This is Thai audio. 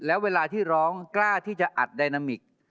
แล้วเวลาที่ร้องกล้าที่จะอัดไดนามิก